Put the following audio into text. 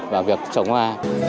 và việc trồng hoa